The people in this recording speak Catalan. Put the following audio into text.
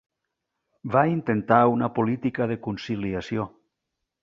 Va intentar una política de conciliació.